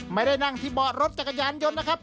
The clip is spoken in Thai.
ไม่ได้นั่งที่บอร์ดรถจากกระยานยนต์นะครับ